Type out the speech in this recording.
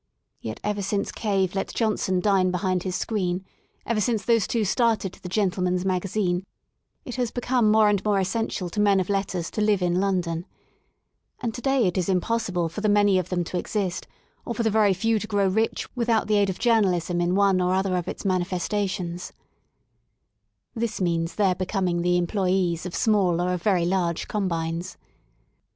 Yet ever since Cave let Johnson dine behind his screen, ever since those two started the *' Gentle man^s Magazine " it has become more and more essential to men of letters to live in London, And to day it is impossible for the many of them to exist, or for the very few to grow rich without tlie aid of journalism in one or other of its manifestations* This means their becoming the employees of small or of very large combines.